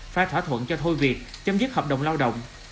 pha thỏa thuận cho thôi việc chấm dứt hợp đồng lao động